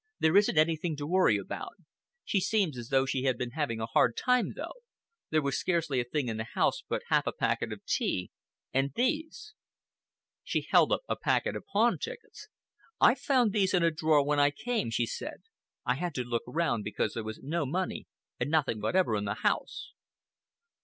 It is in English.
"There isn't anything to worry about. She seems as though she had been having a hard time, though. There was scarcely a thing in the house but half a packet of tea—and these." She held up a packet of pawn tickets. "I found these in a drawer when I came," she said. "I had to look round, because there was no money and nothing whatever in the house."